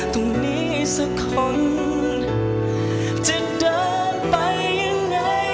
ตรงนี้สักคนจะเดินไปยังไง